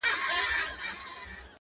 د ښکلیو نجونو شاپېریو وطن؛